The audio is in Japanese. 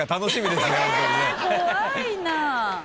怖いなぁ。